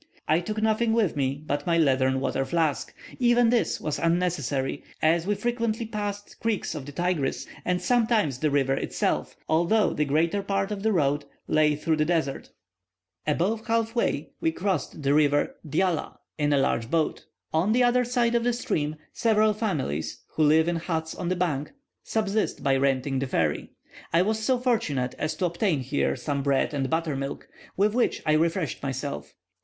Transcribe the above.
I took nothing with me but my leathern water flask, and even this was unnecessary, as we frequently passed creeks of the Tigris, and sometimes the river itself, although the greater part of the road lay through the desert. About half way, we crossed the river Dhyalah in a large boat. On the other side of the stream, several families, who live in huts on the bank, subsist by renting the ferry. I was so fortunate as to obtain here some bread and buttermilk, with which I refreshed myself.